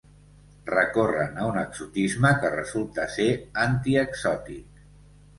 Recorren a un exotisme que resulta ser antiexòtic